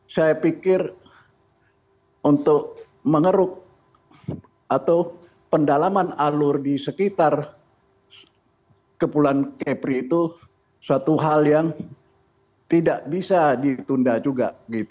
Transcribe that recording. saya pikir untuk mengeruk atau pendalaman alur di sekitar kepulauan kepri itu suatu hal yang tidak bisa ditunda juga